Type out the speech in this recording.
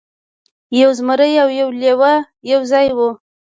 یو زمری او یو لیوه یو ځای وو.